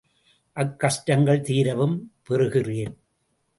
அக்கஷ்டங்கள் தீரவும் பெறுகிறேன்.